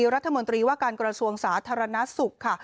รัฐมนตรีว่าการกระทรวงสาธารณสุขค่ะ